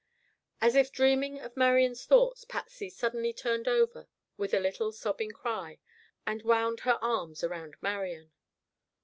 As if dreaming of Marian's thoughts, Patsy suddenly turned over with a little sobbing cry, and wound her arms about Marian.